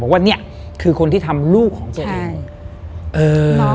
บอกว่าเนี่ยคือก็คือคนที่ทำลูกของตัวเอง